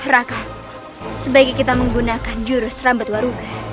raka sebaiknya kita menggunakan jurus rambut waruga